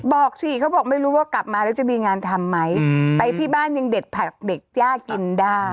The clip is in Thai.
บอกสิเขาบอกไม่รู้ว่ากลับมาแล้วจะมีงานทำไหมไปที่บ้านยังเด็ดผักเด็กย่ากินได้